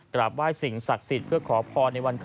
กลับไว้สิ่งศักดิ์สิต